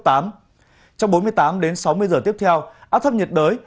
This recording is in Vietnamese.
trong bốn mươi tám đến sáu mươi giờ tiếp theo áp thấp nhiệt đới